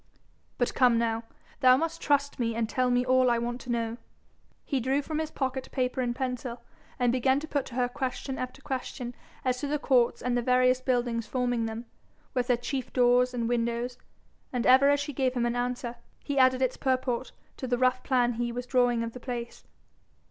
'But come now, thou must trust me, and tell me all I want to know.' He drew from his pocket paper and pencil, and began to put to her question after question as to the courts and the various buildings forming them, with their chief doors and windows, and ever as she gave him an answer, he added its purport to the rough plan he was drawing of the place.